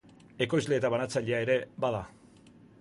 Ekoizle eta banatzailea ere bada.